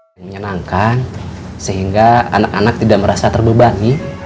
yang menyenangkan sehingga anak anak tidak merasa terbebani